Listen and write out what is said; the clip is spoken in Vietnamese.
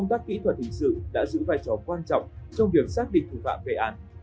kỹ thuật hình sự đã giữ vai trò quan trọng trong việc xác định phụ phạm về án